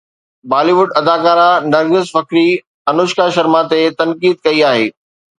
بالي wood اداڪارا نرگس فخري انوشڪا شرما تي تنقيد ڪئي آهي